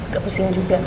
gak pusing juga